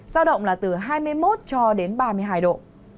giao động là từ hai mươi một cho đến ba mươi hai độ